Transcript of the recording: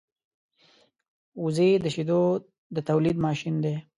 وزې د شیدو د تولېدو ماشین دی